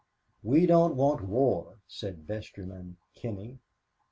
"We don't want war," said Vestryman Kinney.